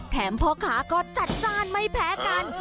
พ่อค้าก็จัดจ้านไม่แพ้กัน